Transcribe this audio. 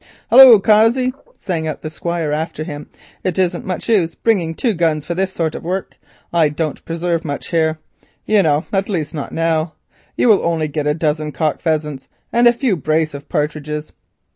"Hullo! Cossey," sang out the Squire after him, "it isn't any use bringing your two guns for this sort of work. I don't preserve much here, you know, at least not now. You will only get a dozen cock pheasants and a few brace of partridges."